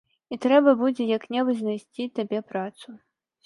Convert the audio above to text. І трэба будзе як-небудзь знайсці табе працу.